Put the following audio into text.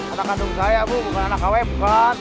anak kandung saya bu bukan anak kw bukan